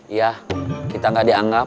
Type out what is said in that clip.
iya kita gak dianggap